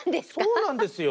そうなんですよ。